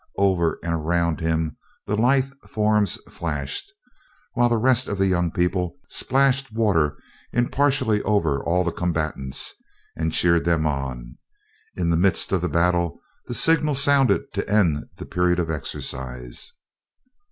Over and around him the lithe forms flashed, while the rest of the young people splashed water impartially over all the combatants and cheered them on. In the midst of the battle the signal sounded to end the period of exercise.